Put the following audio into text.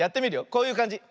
こういうかんじ。